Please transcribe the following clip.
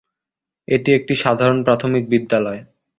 এটি একটি সাধারণ প্রাথমিক বিদ্যালয়।